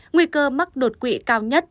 nguy cơ mắc đột quỵ cao nhất